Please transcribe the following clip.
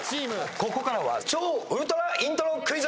ここからは超ウルトライントロクイズ！